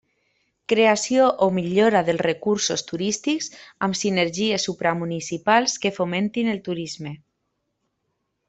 Creació o millora dels recursos turístics amb sinergies supramunicipals que fomentin el turisme.